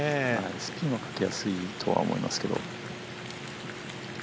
スピンはかけやすいと思いますけど。